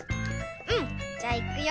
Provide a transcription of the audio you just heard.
うんじゃいくよ。